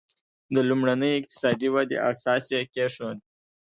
د لومړنۍ اقتصادي ودې اساس یې کېښود.